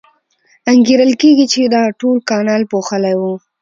انګېرل کېږي چې دا ټول کانال پوښلی و.